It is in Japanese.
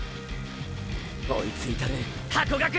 追いついたるハコガク！！